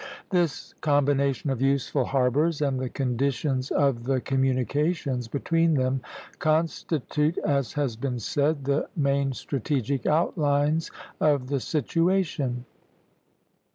This combination of useful harbors and the conditions of the communications between them constitute, as has been said, the main strategic outlines of the situation.